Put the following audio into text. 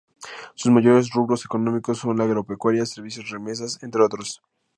Sus mayores rubros económicos son la agropecuaria, servicios, remesas, entre otros.